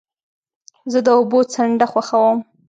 زه د اوبو څنډه خوښوم.